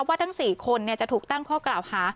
ว่าทั้งสี่คนจะถูกตั้งข้อกล่าวค่ะ